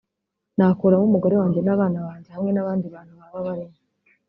Nakuramo Umugore wanjye n’abana banjye hamwe n’abandi bantu baba barimo